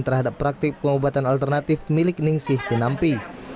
terhadap praktek pengobatan alternatif milik ning si tinampi